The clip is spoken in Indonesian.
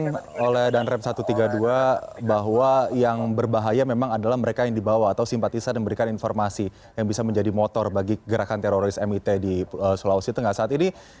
kemudian oleh danrem satu ratus tiga puluh dua bahwa yang berbahaya memang adalah mereka yang dibawa atau simpatisan yang memberikan informasi yang bisa menjadi motor bagi gerakan teroris mit di sulawesi tengah saat ini